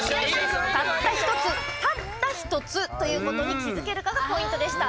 たった１つ、立った１つということに気付けるかがポイントでした。